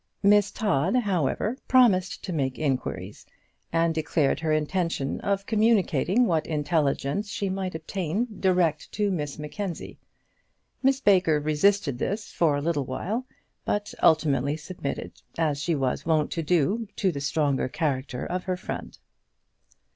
Miss Todd, however, promised to make inquiries, and declared her intention of communicating what intelligence she might obtain direct to Miss Mackenzie. Miss Baker resisted this for a little while, but ultimately submitted, as she was wont to do, to the stronger character of her friend.